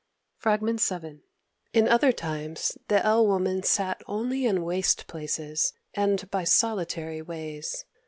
Fr. VII ... "In other time the El Woman sat only in waste places, and by solitary ways.